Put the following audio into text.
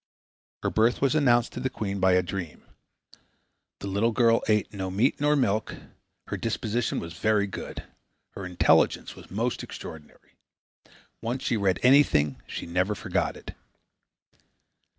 Her birth was announced to the queen by a dream. The little girl ate no meat nor milk. Her disposition was very good. Her intelligence was most extraordinary. Once she read anything she never forgot it.